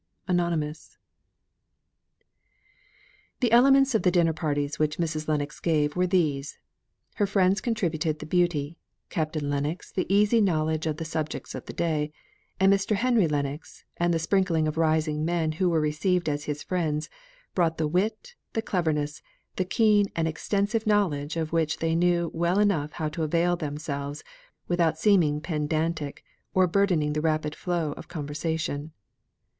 ANON. The elements of the dinner parties which Mrs. Lennox gave, were these; her friends contributed the beauty, Captain Lennox the easy knowledge of the subjects of the day; and Mr. Henry Lennox, and the sprinkling of rising men who were received as his friends, brought the wit, the cleverness, the keen and extensive knowledge of which they knew well enough how to avail themselves without seeming pedantic, or burdening the rapid flow of conversation.